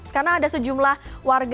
karena ada sejumlah warga